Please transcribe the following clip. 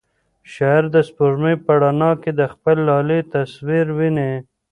شاعر د سپوږمۍ په رڼا کې د خپل لالي تصویر ویني.